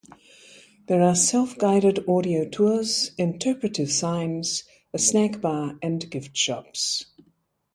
There are self-guided audio tours, interpretive signs, a snackbar, and gift shops.